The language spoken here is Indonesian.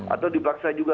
atau dipaksa juga